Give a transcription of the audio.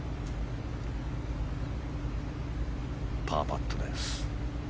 パーパットです。